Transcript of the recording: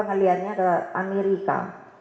ngeliharnya ke amerika